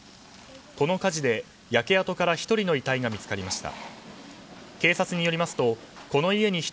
この火事で焼け跡から１人の遺体が見つかりました。